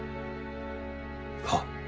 はっ。